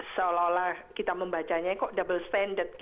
seolah olah kita membacanya kok double standard gitu kan